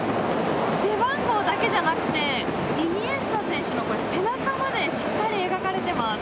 背番号だけじゃなくてイニエスタ選手の背中までしっかり描かれてます。